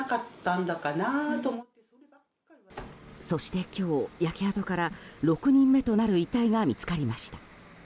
そして今日、焼け跡から６人目となる遺体が見つかりました。